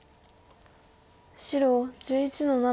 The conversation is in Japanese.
白１１の七。